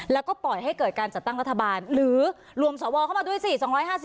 แล้วก็ปล่อยให้เกิดการจัดตั้งรัฐบาลหรือรวมสวเข้ามาด้วยสิ